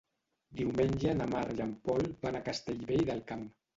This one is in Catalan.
Diumenge na Mar i en Pol van a Castellvell del Camp.